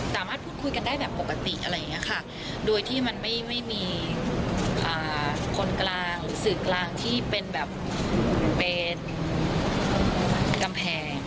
สามารถพูดคุยกันได้แบบปกติอะไรแบบนี้ค่ะโดยที่มันไม่มีคนกลางศึกลางที่เป็นแบบกำแพง